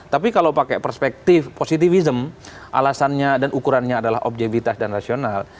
tapi kalau pakai perspektif positivism alasannya dan ukurannya adalah objektifitas dan rasional